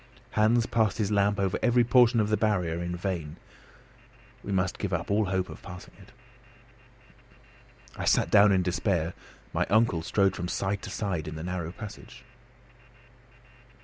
Hans passed his lamp over every portion of the barrier in vain. We must give up all hope of passing it. I sat down in despair. My uncle strode from side to side in the narrow passage.